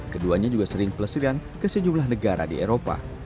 keduanya juga sering pelestirian ke sejumlah negara di eropa